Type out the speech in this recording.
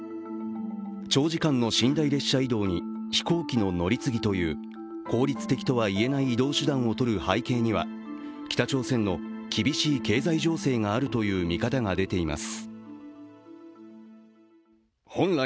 長時間の寝台列車移動に飛行機の乗り継ぎという効率的とは言えない移動手段をとる背景には北朝鮮の厳しい経済情勢があるという見方が出ています。